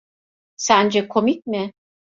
Sence komik mi?